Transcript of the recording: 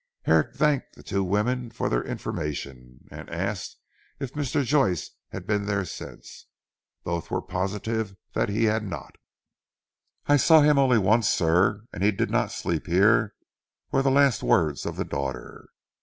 Herrick thanked the two women for their information, and asked if Mr. Joyce had been there since. Both were positive he had not. "I saw him only once sir and he did not sleep here," were the last words of the daughter.